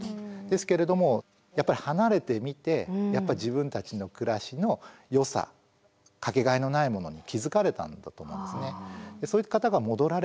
ですけれどもやっぱり離れてみて自分たちの暮らしのよさ掛けがえのないものに気付かれたんだと思うんですね。